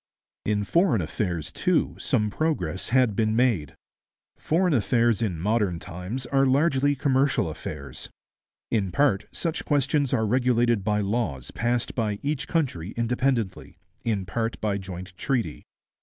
In foreign affairs, too, some progress had been made. Foreign affairs in modern times are largely commercial affairs. In part such questions are regulated by laws passed by each country independently, in part by joint treaty.